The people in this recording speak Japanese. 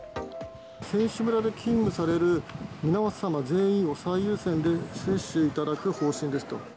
選手村で勤務される皆様全員を最優先で接種いただく方針ですと。